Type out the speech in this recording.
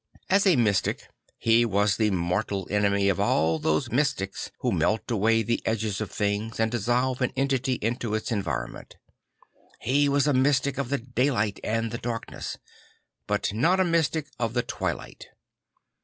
As a mystic he was the mortal enemy of all those mystics who melt away the edges of things and dissolve an entity into its environment. He was a mystic of the daylight and the darkness; but not a mystic of the twi1ight.